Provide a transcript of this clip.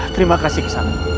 terima kasih kisanak